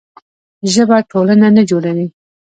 ژبه ټولنه نه جوړوي.